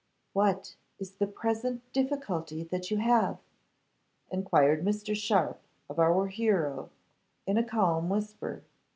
'What is the present difficulty that you have?' enquired Mr. Sharpe of our hero, in a calm whisper.